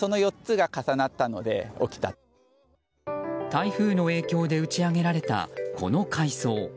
台風の影響で打ち上げられたこの海藻。